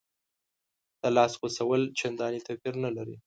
د لاس غوڅول چندانې توپیر نه لري.